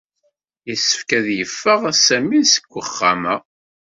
Yessefk ad yeffeɣ Sami seg uxxam-a.